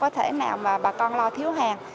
có thể nào mà bà con lo thiếu hàng